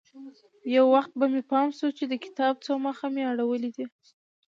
يو وخت به مې پام سو چې د کتاب څو مخه مې اړولي دي.